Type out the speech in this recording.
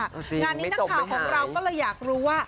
จริงไม่จบไม่หายงานนี้ตั้งข่าวของเราก็เลยอยากรู้ว่า